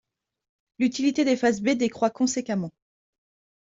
L'utilité des faces B décroît conséquemment.